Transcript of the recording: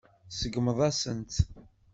Tseggmeḍ-asent-tt.